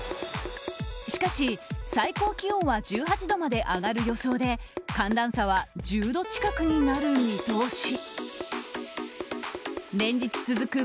しかし、最高気温は１８度まで上がる予想で寒暖差は１０度近くになる見通し。